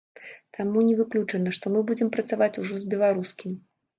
Таму не выключана, што мы будзем працаваць ужо з беларускім.